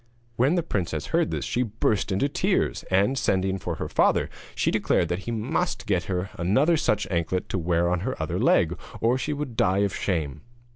When the princess heard this she burst into tears; and sending for her father she declared that he must get her another such an anklet to wear on the other leg, or she would die of shame.